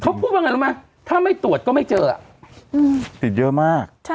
เขาพูดบางอย่างอะไรมาถ้าไม่ตรวจก็ไม่เจออืมติดเยอะมากใช่